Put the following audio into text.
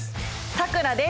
さくらです。